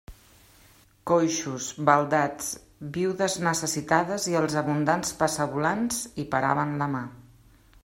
Coixos, baldats, viudes necessitades i els abundants passavolants, hi paraven la mà.